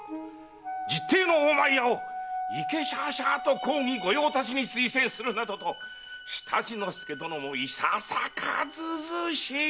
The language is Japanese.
実弟の大前屋をいけしゃあしゃあと公儀御用達に推薦するなどと常陸介殿もいささかずうずうしい！